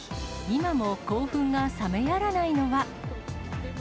今も興奮が冷めやらないのは。